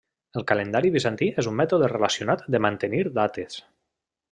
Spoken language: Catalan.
El calendari bizantí és un mètode relacionat de mantenir dates.